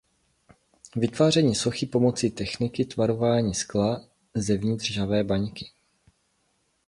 Vytváří sochy pomocí techniky tvarování skla zevnitř žhavé baňky.